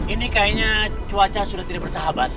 ini kayaknya cuaca sudah tidak bersahabat